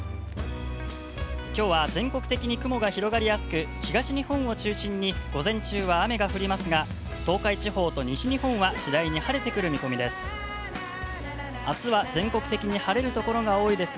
きょうは全国的に雲が広がりやすく、東日本を中心に午前中は雨が降りますが、東海地方と西日本は次第に晴れてくる見込みです。